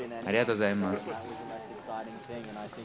ありがとうございます。